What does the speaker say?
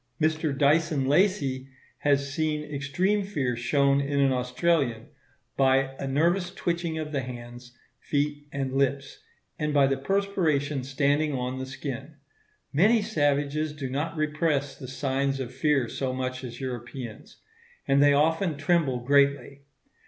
Mr. Dyson Lacy has seen extreme fear shown in an Australian, by a nervous twitching of the hands, feet, and lips; and by the perspiration standing on the skin. Many savages do not repress the signs of fear so much as Europeans; and they often tremble greatly.